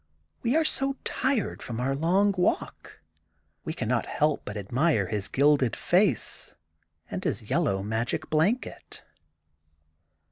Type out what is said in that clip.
We are so tired from our long walk, we cannot but ad mire his gilded face and his yellow magic blanket.